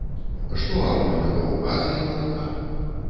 Што агульнага ў газа і малака?